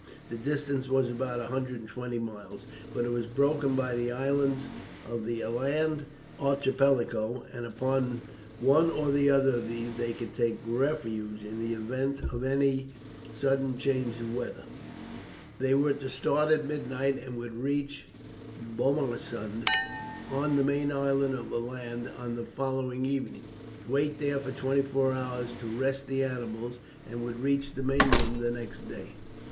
The distance was about 120 miles; but it was broken by the islands of the Aland Archipelago, and upon one or other of these they could take refuge in the event of any sudden change of weather. They were to start at midnight, and would reach Bomarsund, on the main island of Aland, on the following evening, wait there for twenty four hours to rest the animals, and would reach the mainland the next day.